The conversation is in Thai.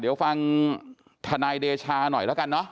ดีลอยว่าฟ่าทนายเดชาหน่อย